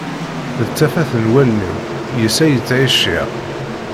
D tafat n wallen-iw, yess ay ttɛiciɣ.